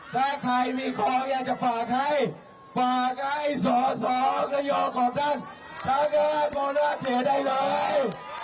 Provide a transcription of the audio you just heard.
ถ้าใครมีของอยากจะฝากให้ฝากไอ้สอสองกระโยของทั้งเธอของนักเขียนได้เลย